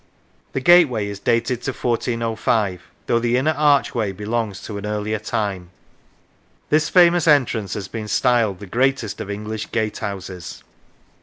The gateway is dated to 1405, though the inner archway belongs to an earlier time. This famous entrance has been styled the greatest of English gate houses.